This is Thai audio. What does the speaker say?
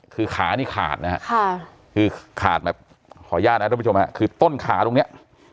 คือขานี่ขาดนะครับขออนุญาตนะครับคุณผู้ชมค่ะคือต้นขาตรงเนี่ย